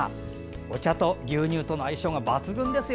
お茶と牛乳との相性が抜群ですよ。